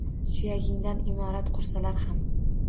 Suyagingdan imoratlar qursalar ham!